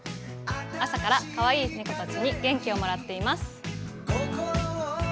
朝からかわいい猫たちに元気をもらっています。